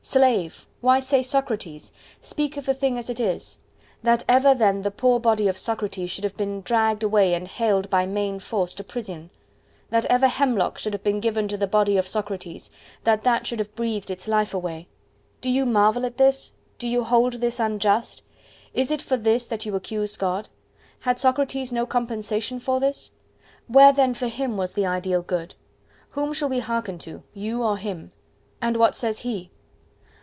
Slave! why say "Socrates"? Speak of the thing as it is: That ever then the poor body of Socrates should have been dragged away and haled by main force to prison! That ever hemlock should have been given to the body of Socrates; that that should have breathed its life away!—Do you marvel at this? Do you hold this unjust? Is it for this that you accuse God? Had Socrates no compensation for this? Where then for him was the ideal Good? Whom shall we hearken to, you or him? And what says he?